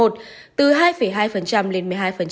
từ hai hai lên một mươi hai